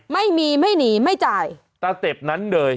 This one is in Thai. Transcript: ไม่มีไม่หนีไม่จ่ายสเต็ปนั้นเลย